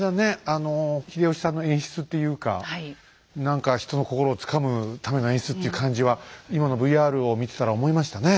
あの秀吉さんの演出っていうか何か人の心をつかむための演出っていう感じは今のＶＲを見てたら思いましたね。